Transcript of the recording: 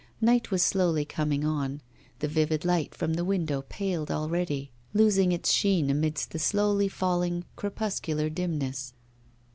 Night was slowly coming on, the vivid light from the window paled already, losing its sheen amidst the slowly falling crepuscular dimness.